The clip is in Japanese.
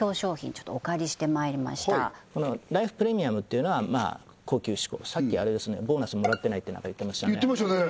ちょっとお借りしてまいりましたこのライフプレミアムっていうのは高級志向さっきボーナスもらってないって言ってましたね言ってましたね